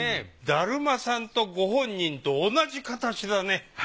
達磨さんとご本人と同じ形だね！